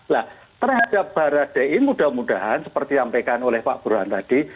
nah terhadap barada e mudah mudahan seperti yang diampaikan oleh pak buruhan tadi